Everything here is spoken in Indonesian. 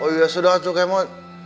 oh iya sudah tuh kemot